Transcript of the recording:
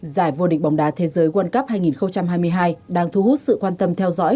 giải vô địch bóng đá thế giới world cup hai nghìn hai mươi hai đang thu hút sự quan tâm theo dõi